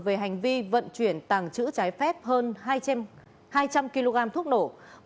về hành vi vận chuyển tàng trữ trái phép hơn hai trăm linh kg thuốc nổ